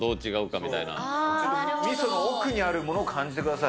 みその奥にあるものを感じてください。